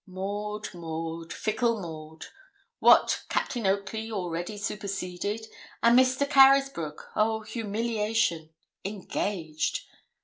'Maud Maud fickle Maud! What, Captain Oakley already superseded! and Mr. Carysbroke oh! humiliation engaged.'